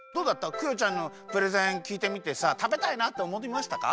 クヨちゃんのプレゼンきいてみてさたべたいなっておもいましたか？